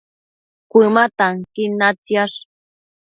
Cuëma tanquin natsiash